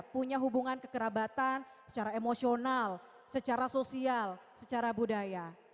punya hubungan kekerabatan secara emosional secara sosial secara budaya